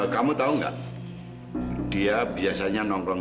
kamu tau gak dia biasanya nongkrong